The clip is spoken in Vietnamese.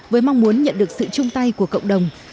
với mong muốn nhận được sự chung tay của cộng đồng